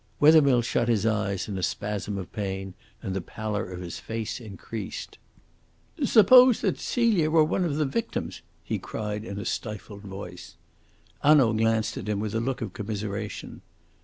Wethermill shut his eyes in a spasm of pain and the pallor of his face increased. "Suppose that Celia were one of the victims?" he cried in a stifled voice. Hanaud glanced at him with a look of commiseration.